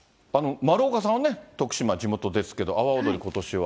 丸岡さんはね、徳島、地元ですけど、阿波おどり、ことしは？